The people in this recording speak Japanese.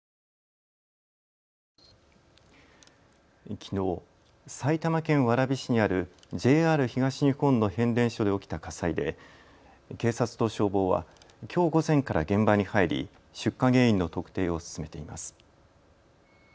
きのう、埼玉県蕨市にあるＪＲ東日本の変電所で起きた火災で警察と消防は、きょう午前から現場に入り出火原因の特定を進めています。